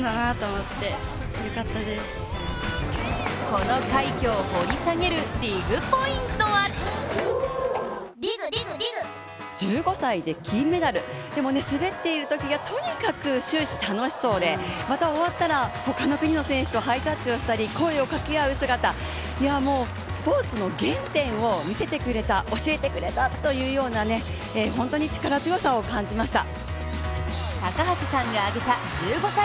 この快挙を掘り下げるＤＩＧポイントは１５歳で金メダル、でも滑っているときはとにかく終始、楽しそうでまた終わったら他の国の選手たちとハイタッチをしたり声を掛け合う姿スポーツの原点を見せてくれた、教えてくれたというような本当に力強さを感じました。